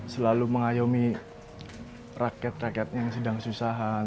selalu mengayomi rakyat rakyat yang sedang kesusahan